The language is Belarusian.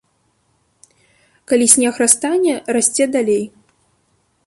Калі снег растане, расце далей.